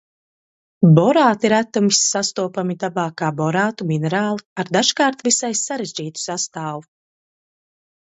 Borāti retumis sastopami dabā kā borātu minerāli ar dažkārt visai sarežģītu sastāvu.